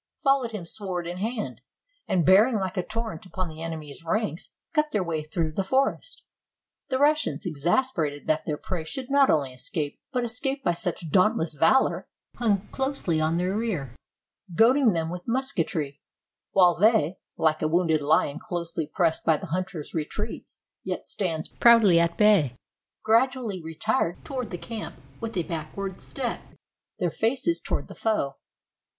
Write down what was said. followed him sword in hand, and bearing like a torrent upon the enemy's ranks, cut their way through the forest. The Russians, exasperated that their prey should not only escape, but escape by such dauntless valor, hung closely on their rear, goading them with mus ketry, while they (like a wounded lion closely pressed by the hunters retreats, yet stands proudly at bay) gradually retired toward the camp with a backward step, their faces toward the foe.